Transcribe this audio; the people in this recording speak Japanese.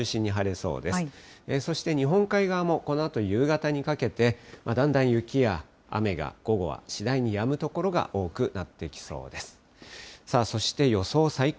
そして、日本海側もこのあと夕方にかけて、だんだん雪や雨が、午後は次第にやむ所が多くなってきそうです。